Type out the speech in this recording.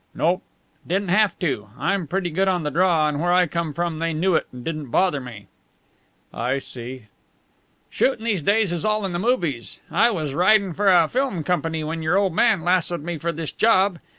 "Nope. Didn't have to. I'm pretty good on the draw, and where I come from they knew it and didn't bother me." "I see." "Shootin' these days is all in the movies. I was ridin' for a film company when your old man lassoed me for this job.